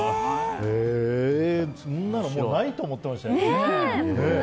そんなのもう、ないと思ってました。